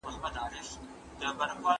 زه ليکنه نه کوم!